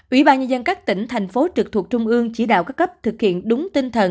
ủy ban nhân dân các tỉnh thành phố trực thuộc trung ương chỉ đạo các cấp thực hiện đúng tinh thần